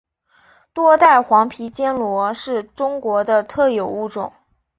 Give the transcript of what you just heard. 多带黄皮坚螺是中国的特有物种。